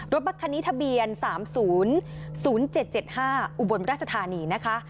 รถบักคณิตทะเบียน๓๐๐๗๕อุบลราชธานีนะคะ